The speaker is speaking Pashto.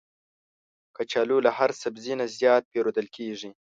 کچالو له هر سبزي نه زیات پېرودل کېږي